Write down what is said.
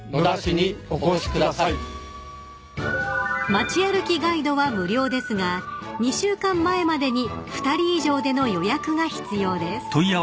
［街歩きガイドは無料ですが２週間前までに２人以上での予約が必要です］